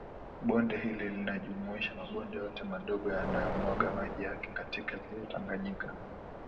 Bonde hili linajumuisha mabonde yote madogo yanayomwaga maji yake katika ziwa Tanganyika